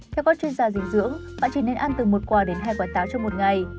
theo các chuyên gia dinh dưỡng bạn chỉ nên ăn từ một quà đến hai quả táo trong một ngày